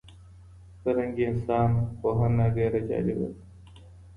فرهنګي انسان پوهنه ډېره جالبه ده.